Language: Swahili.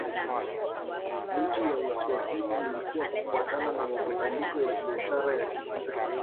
Miji ya Waswahili ilikua kufuatana na mabadiliko ya biashara ya kimataifa